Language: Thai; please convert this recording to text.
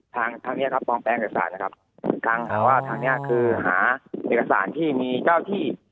ทางทางเนี้ยครับปลอมแปลงเอกสารนะครับทางหาว่าทางเนี้ยคือหาเอกสารที่มีเจ้าที่